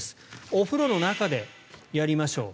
お風呂の中でやりましょう。